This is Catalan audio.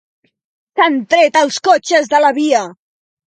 S'han tret els cotxes de la via.